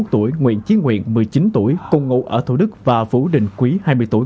hai mươi tuổi nguyễn chiến nguyện một mươi chín tuổi cùng ngụ ở thủ đức và phú đình quý hai mươi tuổi